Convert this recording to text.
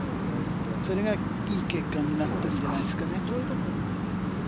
それがいい結果になっているんじゃないですかね。